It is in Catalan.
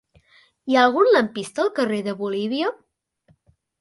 Hi ha algun lampista al carrer de Bolívia?